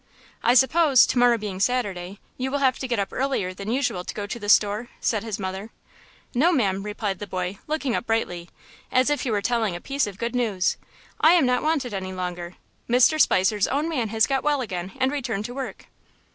"I suppose, to morrow being Saturday, you will have to get up earlier than usual to go to the store?" said his mother. "No, ma'am," replied the boy, looking up brightly, as if he were telling a piece of good news; "I am not wanted any longer. Mr. Spicer's own man has got well again and returned to work."